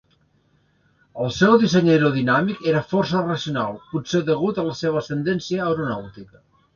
El seu disseny aerodinàmic era força racional, potser degut a la seva ascendència aeronàutica.